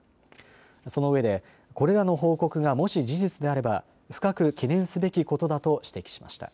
そのうえでこれらの報告がもし事実であれば深く懸念すべきことだと指摘しました。